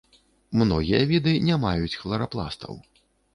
Многія віды не маюць хларапластаў.